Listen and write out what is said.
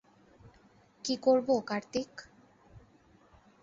কী করবো, কার্তিক?